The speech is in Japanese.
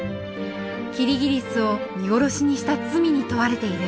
キリギリスを見殺しにした罪に問われている。